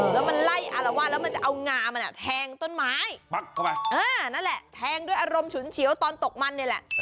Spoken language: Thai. แล้วมันไล่อารวาสแล้วมันจะเอางามันแทงต้นไม้ปั๊กเข้าไปนั่นแหละแทงด้วยอารมณ์ฉุนเฉียวตอนตกมันนี่แหละ